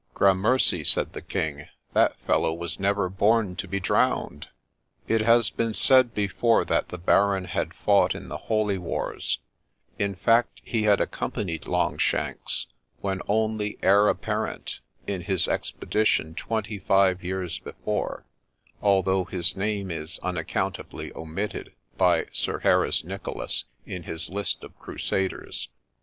' Grammercy,' said the King, ' that fellow was never born to be drowned !' It has been said before that the Baron had fought in the Holy Wars ; in fact, he had accompanied Longshanks, when only heir apparent, in his expedition twenty five years before, although his name is unaccountably omitted by Sir Harris Nicolas in his list of crusaders.